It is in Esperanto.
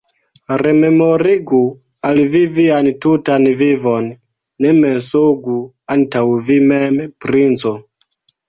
Rememorigu al vi vian tutan vivon, ne mensogu antaŭ vi mem, princo!